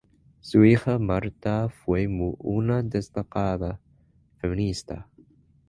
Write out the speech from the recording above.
Su hija Martha fue una destacada feminista.